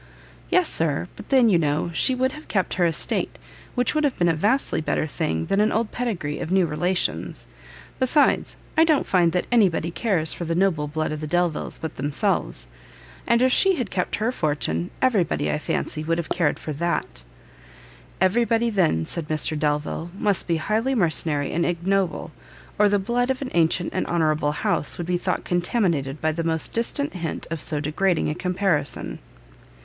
"Yes, Sir; but then, you know, she would have kept her estate, which would have been a vastly better thing than an old pedigree of new relations. Besides, I don't find that any body cares for the noble blood of the Delviles but themselves; and if she had kept her fortune, every body, I fancy, would have cared for that." "Every body, then," said Mr Delvile, "must be highly mercenary and ignoble, or the blood of an ancient and honourable house, would be thought contaminated by the most distant hint of so degrading a comparison."